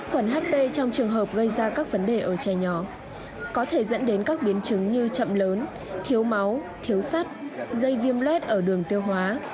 khuẩn hp trong trường hợp gây ra các vấn đề ở trẻ nhỏ có thể dẫn đến các biến chứng như chậm lớn thiếu máu thiếu sắt gây viêm lết ở đường tiêu hóa